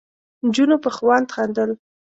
نجونو په خوند خندل.